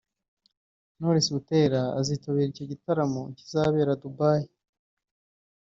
Knowless Butera azitabira icyo gitaramo kizabera Dubai